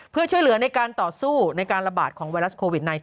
เพื่อช่วยเหลือในการต่อสู้ในการระบาดของไวรัสโควิด๑๙